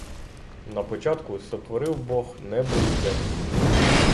На початку сотворив Бог небо й землю.